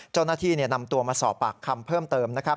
เจ้าหน้าที่นำตัวมาสอบปากคำเพิ่มเติมนะครับ